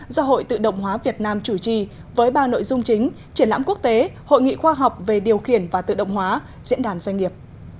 do hội tự động hóa việt nam chủ trì với ba nội dung chính triển lãm quốc tế hội nghị khoa học về điều khiển và tự động hóa diễn đàn doanh nghiệp